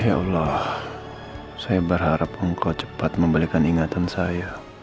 ya allah saya berharap engkau cepat memberikan ingatan saya